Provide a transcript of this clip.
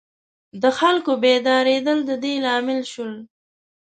د خلکو بیدارېدل د دې لامل شول.